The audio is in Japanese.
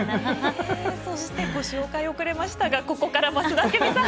ご紹介遅れましたがここから増田明美さん